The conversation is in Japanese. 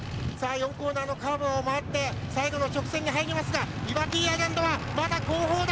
４コーナーのカーブを回って最後の直線に入りますがリバティアイランドはまだ後方だ。